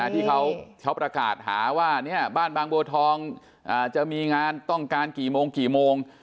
ที่เขาประกาศหาว่าบ้านบางบัวทองจะมีงานต้องการกี่โมงกี่โมง